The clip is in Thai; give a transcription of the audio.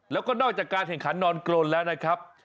แล้วก็นอกจากการแข่งขันนอนกรนแล้วนะครับ